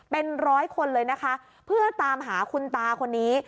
เป็นร้อยคนเลยนะคะเพื่อตามหาคุณตาคนนี้